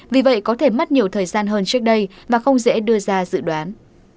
vì vậy có thể mất nhiều thời gian hơn trước đây và không dễ đưa ra dự đoán